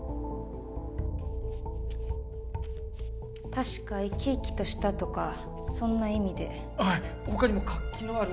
確か「生き生きとした」とかそんな意味ではい他にも「活気のある」